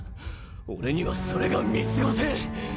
俺にはそれが見過ごせん。